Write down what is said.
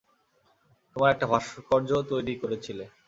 তোমরা একটা ভাস্কর্য তৈরি করেছিলে।